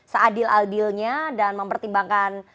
seadil adilnya dan mempertimbangkan